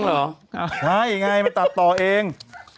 ใช่ไอ่ไงมันตัดต่อเอง